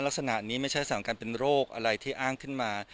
ลักษณะนี้ไม่ใช่สถานการณ์เป็นโรคอะไรที่อ้างขึ้นมา